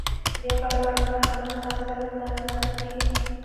د یو کال لپاره د کارخانې مصارف څلوېښت زره افغانۍ کېږي